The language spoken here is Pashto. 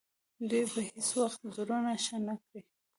دوی به هیڅ وخت زړونه ښه نه کړي.